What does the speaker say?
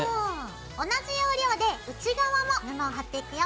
同じ要領で内側も布を貼っていくよ。